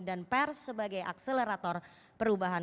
dan pers sebagai akselerator perubahan